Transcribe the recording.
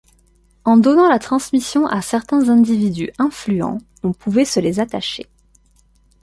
En donnant la transmission à certains individus influents, on pouvait se les attacher.